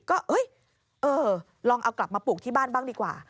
ก็เออลองเอากลับมาปลูกที่บ้านบ้างดีกว่า